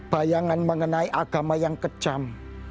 bayangan mengenai agama yang kejam